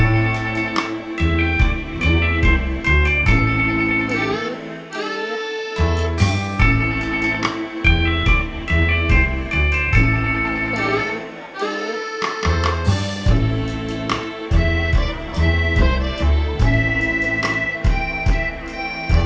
มันเป็นวันหนึ่งเป็นวันหลัง